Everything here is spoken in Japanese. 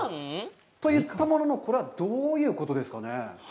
といったものの、これはどういうことですかね？